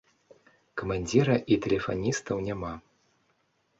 Камандзіра і тэлефаністаў няма.